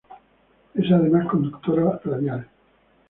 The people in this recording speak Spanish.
Es además conductora radial.